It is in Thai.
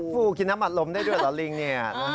กินน้ำอัดลมได้ด้วยเหรอลิงเนี่ย